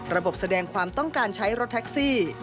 แสดงความต้องการใช้รถแท็กซี่